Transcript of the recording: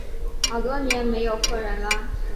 好多年没有客人了